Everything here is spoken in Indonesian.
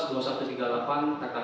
jadi sesuai dengan momen rekan rekan